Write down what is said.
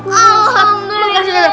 alhamdulillah makasih ustadz